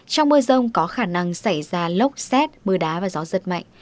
trong mưa rông có khả năng xảy ra lốc xét mưa đá và gió giật mạnh